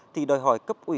thì đòi hỏi cấp ủy